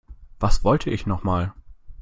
Was wollte ich noch mal?